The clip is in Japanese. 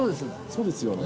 そうですよね。